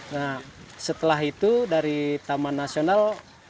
nah setelah itu dari taman nasional